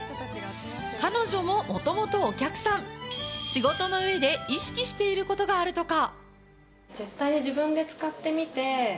彼女ももともとお客さん、仕事のうえで意識していることがあるとか。